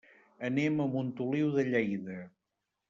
Anem a Montoliu de Lleida.